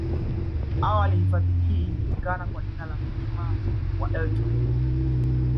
Awali hifadhi hii ilijulikana kwa jina la mlima wa elton